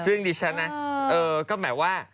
ซึ่งดิฉันนะเออก็แบบว่า